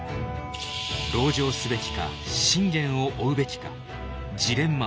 籠城すべきか信玄を追うべきかジレンマを抱えます。